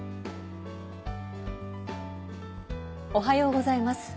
おはようございます。